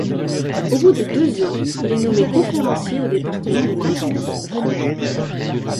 Au bout de deux ans, il est nommé conférencier au département de mathématiques.